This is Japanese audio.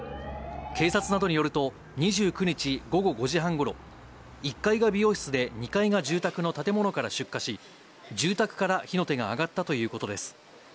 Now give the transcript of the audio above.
警察などによると、２９日午後５時半ごろ、１階が美容室で２階が住宅の建物から出火し、住宅から火の手が上がったということです。